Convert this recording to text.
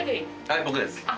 はい僕です。